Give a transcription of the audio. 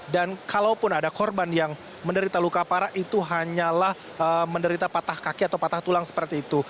dan kalaupun ada korban yang menderita luka parah itu hanyalah menderita patah kaki atau patah tulang seperti itu